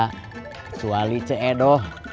kecuali ce doh